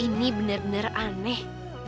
ini benar benar aneh